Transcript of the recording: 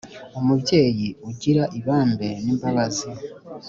umubyeyi ugira ibambe n’imbabazi